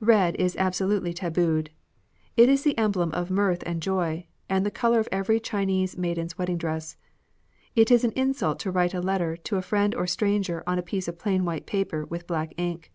Eed is absolutely tabooed ; it is the emblem of mirth and joy, and the colour of every Chinese maidens wedding dress. It is an insult to write a letter to a friend or stranger on a piece of plain white paper with black ink.